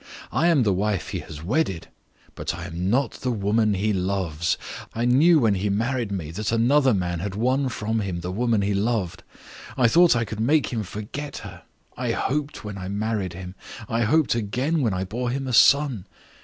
I am the wife he has wedded, but I am not the woman he loves. I knew when he married me that another man had won from him the woman he loved. I thought I could make him forget her. I hoped when I married him; I hoped again when I bore him a son.